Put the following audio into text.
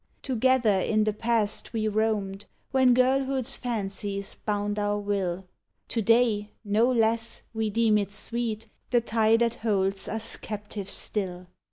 Together in the past we roamed When girlhood's fancies bound our will, To day, no less, we deem it sweet The tie that holds us captive still!